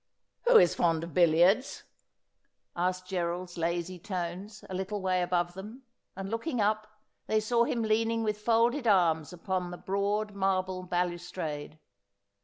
' Who is fond of billiards ?' asked Gerald's lazy tones, a little way above them, and, looking up, they saw him leaning with folded arms upon the broad marble balustrade.